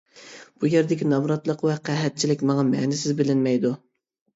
بۇ يەردىكى نامراتلىق ۋە قەھەتچىلىك ماڭا مەنىسىز بىلىنمەيدۇ.